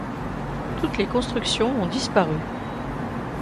Toutes les constructions ont disparu.